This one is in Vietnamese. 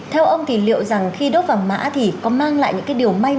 theo ông thì liệu rằng khi đốt vàng mã thì có mang lại những cái điều may mắn